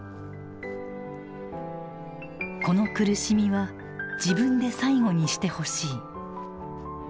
「この苦しみは自分で最後にしてほしい」。